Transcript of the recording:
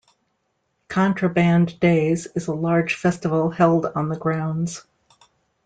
Contraband Days is a large festival held on the grounds.